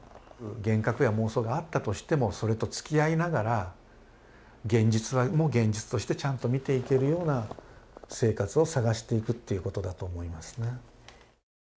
幻覚や妄想があったとしてもそれとつきあいながら現実も現実としてちゃんと見ていけるような生活を探していくっていうことだと思いますね。